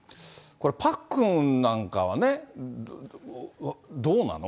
パックンなんかはね、どうなの？